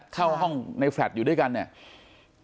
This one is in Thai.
เข้าห้องในแฟลตอยู่ด้วยกันเนี่ย